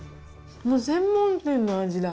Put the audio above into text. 専門店の味だ。